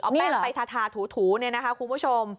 เอาแป้งไปทาถูเนี่ยนะคะคุณผู้ชม